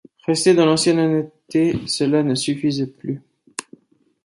Rester dans l’ancienne honnêteté, cela ne suffisait plus.